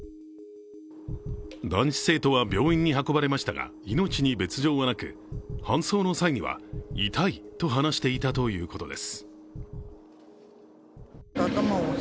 男子生徒は病院に運ばれましたが、命に別状はなく搬送の際には「痛い」と話していたということです。